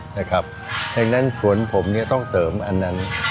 เพราะฉะนั้นสวนผมต้องเสริมอันนั้น